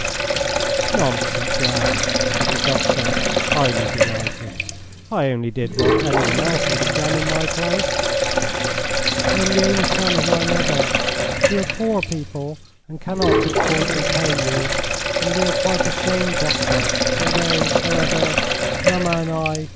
"Nonsense, lad!" said the doctor, highly delighted. "I only did what anyone else would have done in my place." "I am the only son of my mother ... we are poor people and cannot of course repay you, and we are quite ashamed, doctor, although, however, mamma and I